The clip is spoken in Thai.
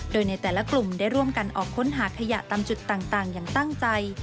โดยในแต่ละกลุ่มได้ร่วมกันออกค้นหาขยะตามจุดต่างอย่างตั้งใจ